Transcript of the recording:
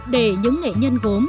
để những nghệ nhân gốm